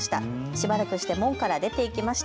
しばらくして門から出て行きました。